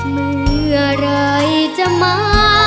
เมื่อไหร่จะมา